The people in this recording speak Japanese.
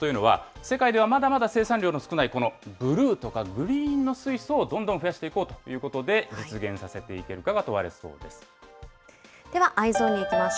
今回の目標というのは、世界ではまだまだ生産量の少ないこのブルーとかグリーンの水素をどんどん増やしていこうということで、実現させていけるかが問われそうです。